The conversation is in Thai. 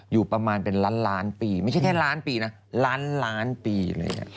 อยู่ประมาณเป็นล้านปีไม่ใช่แค่ล้านล้านปีนะ